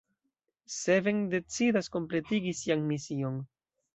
Seven decidas kompletigi sian mision.